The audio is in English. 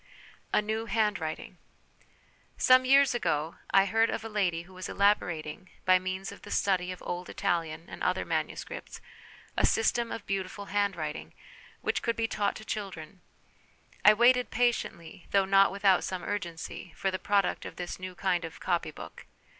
A ' New Handwriting. 1 Some years ago I heard o f a lady who was elaborating, by means of the study of old Italian and other manuscripts, a 'system of beautiful handwriting ' which could be taught to children. I waited patiently, though not without some urgency, for the production of this new kind of ' copy book.'